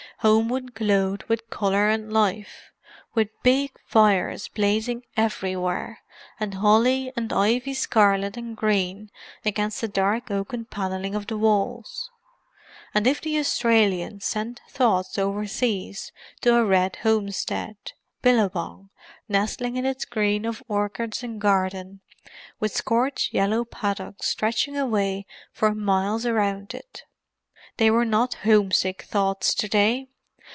Homewood glowed with colour and life—with big fires blazing everywhere, and holly and ivy scarlet and green against the dark oaken panelling of the walls. And if the Australians sent thoughts overseas to a red homestead—Billabong, nestling in its green of orchard and garden, with scorched yellow paddocks stretching away for miles around it—they were not homesick thoughts to day.